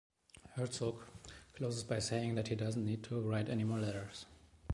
Herzog closes by saying that he doesn't need to write any more letters.